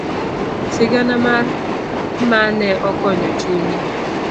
Sigana mar Ma ne okonyo chunye.